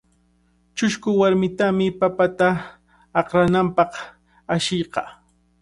Chusku warmitami papata akrananpaq ashiykaa.